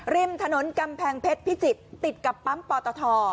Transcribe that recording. ริมถนนกำแพงเพชรพิจิตรติดกับปั๊มปอตท